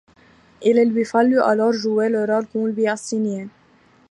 Il lui fallut alors jouer le rôle qu'on lui assignait.